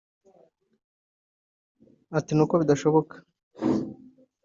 Ati “Ni uko bidashoboka